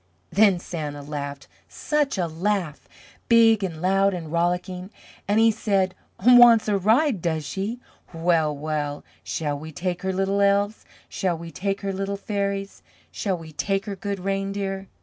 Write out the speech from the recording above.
Then Santa laughed, SUCH a laugh, big and loud and rollicking, and he said, "Wants a ride, does she? Well, well, shall we take her, Little Elves? Shall we take her, Little Fairies? Shall we take her, Good Reindeer?"